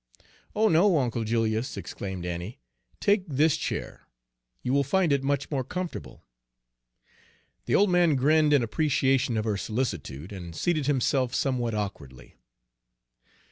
"Oh, no, Uncle Julius," exclaimed Annie, "take this chair. You will find it much more comfortable." Page 105 The old man grinned in appreciation of her solicitude, and seated himself somewhat awkwardly.